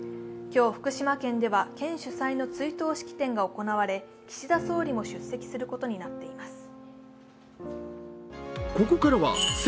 今日、福島県では県主催の追悼式典が行われ岸田総理も出席することになっています。